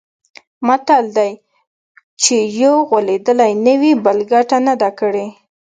متل دی: چې یو غولېدلی نه وي، بل ګټه نه ده کړې.